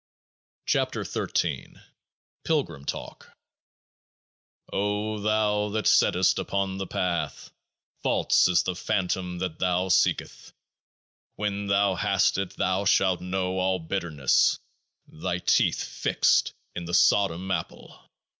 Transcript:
21 KEOAAH ir PILGRIM TALK O thou that settest out upon The Path, false is the Phantom that thou seekest. When thou hast it thou shalt know all bitterness, thy teeth fixed in the Sodom Apple.